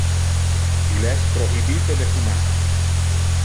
Il es prohibite de fumar.